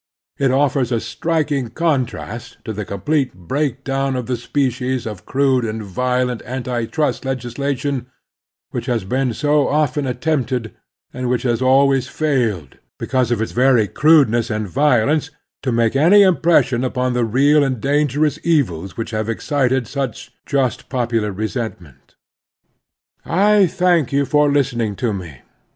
It offers a striking con trast to the complete breakdown of the species of crude and violent anti trust legislation which has 300 The Strenuous Life been so often attempted, and which has always failed, becaiise of its very cnideness and violence, to make any impression upon the real and danger ous evils which have excited such just popular resentment. I thank you for listening to me.